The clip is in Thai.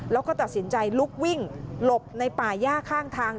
แล้วก็ตัดสินใจลุกวิ่งหลบในป่าย่าข้างทาง